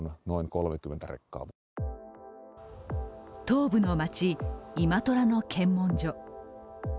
東部の街イマトラの検問所。